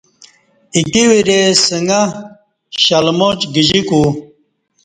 ایکی ورے سنگہ شلماچ گجیکو